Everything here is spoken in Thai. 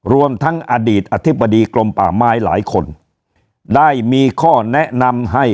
รวมทั้งอดีตอธิบดีกรมป่าไม้หลายคนได้มีข้อแนะนำให้